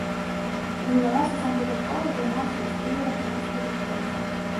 Трэніраваўся сам дадаткова, займаўся і з трэнерам па фізпадрыхтоўцы.